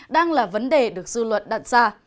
đang là vấn đề được dư luận đặt ra